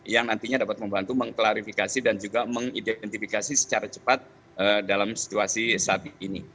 yang nantinya dapat membantu mengklarifikasi dan juga mengidentifikasi secara cepat dalam situasi saat ini